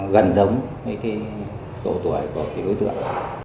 gần giống với cái độ tuổi của cái đối tượng